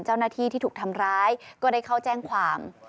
เจ้าหน้าที่ที่ถูกทำร้ายก็ได้เข้าแจ้งความ